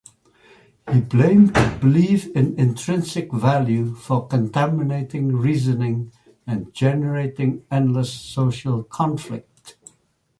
He blamed belief in intrinsic value for contaminating reasoning and generating endless social conflict.